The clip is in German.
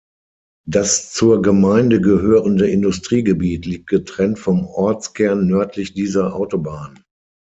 Das zur Gemeinde gehörende Industriegebiet liegt getrennt vom Ortskern nördlich dieser Autobahn.